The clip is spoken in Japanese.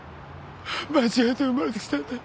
間違えて生まれてきたんだよ。